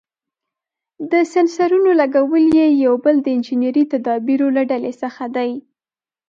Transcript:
د سېنسرونو لګول یې یو بل د انجنیري تدابیرو له ډلې څخه دی.